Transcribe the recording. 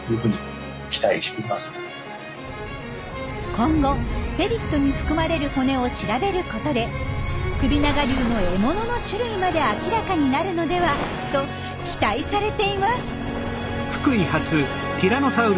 今後ペリットに含まれる骨を調べることで首長竜の獲物の種類まで明らかになるのではと期待されています。